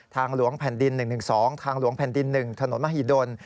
ทางหลวงแผ่นดิน๑๑๒ทางหลวงแผ่นดิน๑ถนนมหิดล